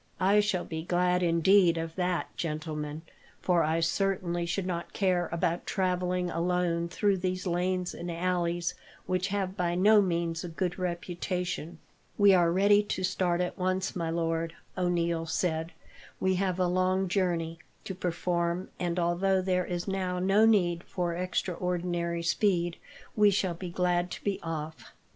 "I shall be glad, indeed, of that, gentlemen, for I certainly should not care about travelling alone through these lanes and alleys, which have by no means a good reputation." "We are ready to start at once, my lord," O'Neil said. "We have a long journey to perform, and, although there is now no need for extraordinary speed, we shall be glad to be off."